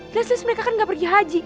biasanya mereka kan gak pergi haji